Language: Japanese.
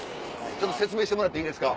ちょっと説明してもらっていいですか？